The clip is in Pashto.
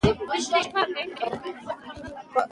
ننګرهار د افغانستان د اقلیمي نظام ښکارندوی ده.